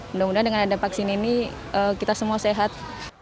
mudah mudahan dengan ada vaksin ini kita semua sehat